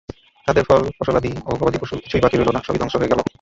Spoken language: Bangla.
তাদের ফল-ফসলাদি ও গবাদি পশু কিছুই বাকি রইলো না, সবই ধ্বংস হয়ে গেল।